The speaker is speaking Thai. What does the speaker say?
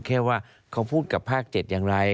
แค่ว่าเขาพูดกับภาค๗อย่างไร